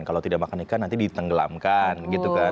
kalau tidak makan ikan nanti ditenggelamkan gitu kan